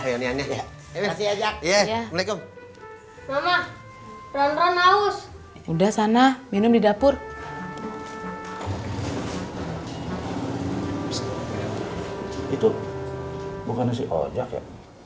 psst itu bukan si ojak ya